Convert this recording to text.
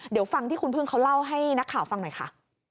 เดี๋ยวฟังที่คุณพึ่งเขาเล่าให้นักข่าวฟังหน่อยค่ะ